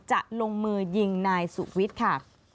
จะลงมือยิงนายสุวิทย์ค่ะ